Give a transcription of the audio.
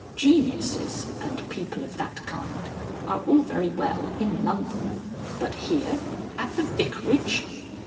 "Geniuses and people of that kind are all very well in London. But here at the Vicarage."